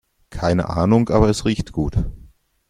Keine Ahnung, aber es riecht gut.